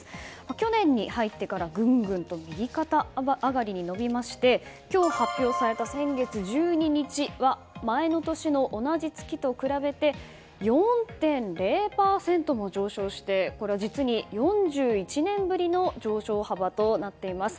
去年に入ってからぐんぐんと右肩上がりに伸びまして今日発表された先月１２日は前の年の同じ月と比べて４．０％も上昇して実に４１年ぶりの上昇幅となっています。